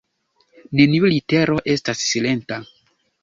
Neniu litero estas silenta.